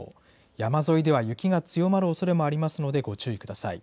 山沿いでは雪が強まるおそれもありますので、ご注意ください。